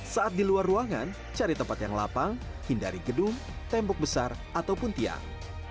saat di luar ruangan cari tempat yang lapang hindari gedung tembok besar ataupun tiang